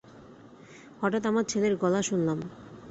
হঠাৎ আমার ছেলের গলা শুনলাম।